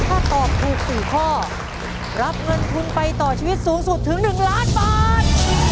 ถ้าตอบถูก๔ข้อรับเงินทุนไปต่อชีวิตสูงสุดถึง๑ล้านบาท